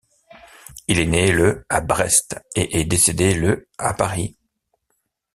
Il est né le à Brest et est décédé le à Paris.